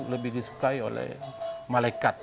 lebih disukai oleh malekat